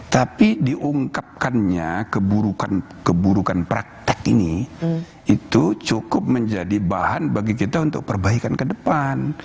tapi diungkapkannya keburukan praktek ini itu cukup menjadi bahan bagi kita untuk perbaikan ke depan